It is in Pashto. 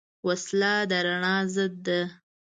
وسله د رڼا ضد ده